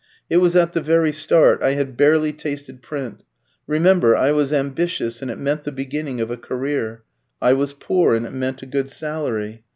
It was at the very start; I had barely tasted print. Remember, I was ambitious, and it meant the beginning of a career; I was poor, and it meant a good salary.